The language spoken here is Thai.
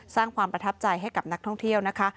สร้างความประทับใจให้กับนักท่องเที่ยวนะคะ